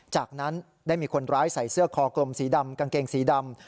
จากนั้นได้มีคนร้ายใส่เสื้อคอกลมสีดำกางเกงสีดำ